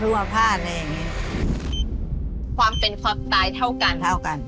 เข้าอยู่ในห้องผ่าตัด๓๔ชั่วโมง